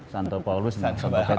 santo paulus dan santo petrus